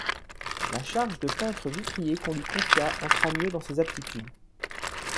La charge de peintre-vitrier qu'on lui confia entra mieux dans ses aptitudes.